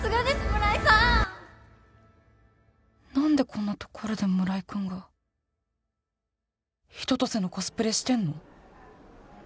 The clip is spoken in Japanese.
村井さん何でこんなところで村井君が春夏秋冬のコスプレしてんの？